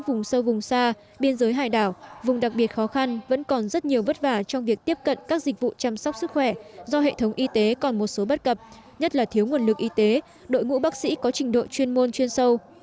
vùng sâu vùng xa biên giới hải đảo vùng đặc biệt khó khăn vẫn còn rất nhiều vất vả trong việc tiếp cận các dịch vụ chăm sóc sức khỏe do hệ thống y tế còn một số bất cập nhất là thiếu nguồn lực y tế đội ngũ bác sĩ có trình độ chuyên môn chuyên sâu